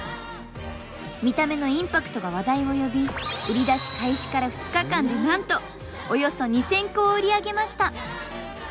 見た目のインパクトが話題を呼び売り出し開始から２日間でなんとおよそ２，０００個を売り上げました。